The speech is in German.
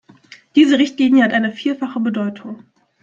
Diese Richtlinie hat eine vierfache Bedeutung.